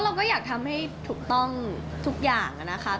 เราก็อยากทำให้ถูกต้องทุกอย่างนะคะ